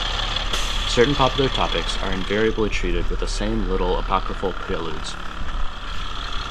Certain popular topics are invariably treated with the same little apocryphal preludes.